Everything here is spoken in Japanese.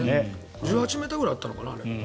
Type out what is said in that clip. １８ｍくらいあったのかなあれ。